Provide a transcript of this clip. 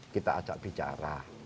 kita ajak bicara